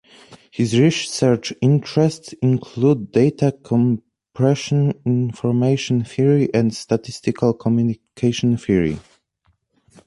His research interests include data compression, information theory, and statistical communication theory.